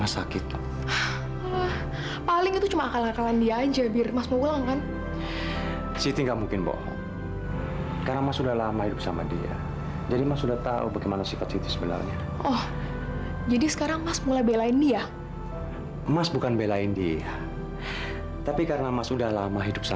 sampai jumpa di video selanjutnya